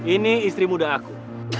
ini istri muda aku